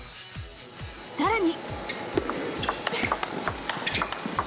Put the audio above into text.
更に。